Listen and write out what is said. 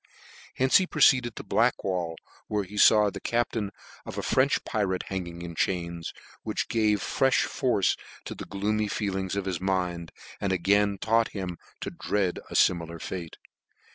Hence he proceed ed to Blackwall, where he faw the captain of a French pirate hanging in chains, which gave frefh force to the gloomy feelings of his mind, and again taught him to dread a fimilar fate.